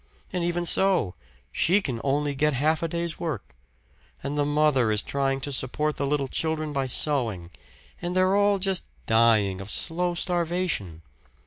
And even so, she can only get half a day's work; and the mother is trying to support the little children by sewing and they're all just dying of slow starvation.